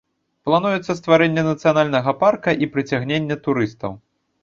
Плануецца стварэнне нацыянальнага парка і прыцягненне турыстаў.